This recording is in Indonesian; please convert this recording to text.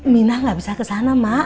minah nggak bisa kesana mak